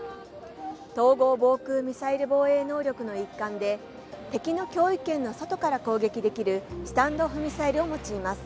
統合防空ミサイル防衛能力の一環で、敵の脅威圏の外から攻撃できるスタンド・オフ・ミサイルを用います。